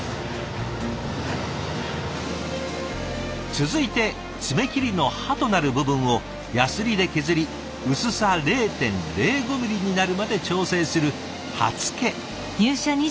続いてつめ切りの刃となる部分をやすりで削り薄さ０．０５ミリになるまで調整する刃付け。